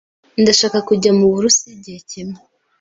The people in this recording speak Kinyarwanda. Ndashaka kujya mu Burusiya igihe kimwe.